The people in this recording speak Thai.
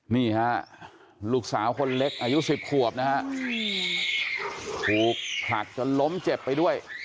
นี่ฮะลูกสาวคนเล็กอายุ๑๐ขวบนะฮะถูกผลักจนล้มเจ็บไปด้วย